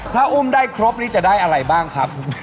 ถ้าอุ้มได้ครบนี้จะได้อะไรบ้างครับ